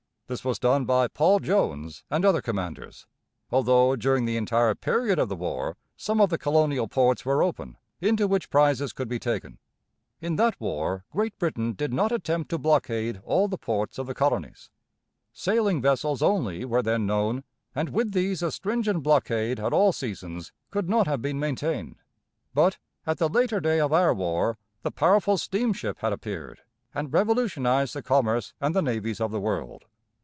This was done by Paul Jones and other commanders, although during the entire period of the war some of the colonial ports were open, into which prizes could be taken. In that war Great Britain did not attempt to blockade all the ports of the colonies. Sailing vessels only were then known, and with these a stringent blockade at all seasons could not have been maintained. But, at the later day of our war, the powerful steamship had appeared, and revolutionized the commerce and the navies of the world.